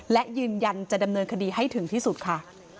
และยืนยันจะดำเนินคดีให้ถึงที่สุดค่ะ